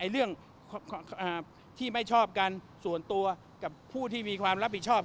เรื่องที่ไม่ชอบกันส่วนตัวกับผู้ที่มีความรับผิดชอบ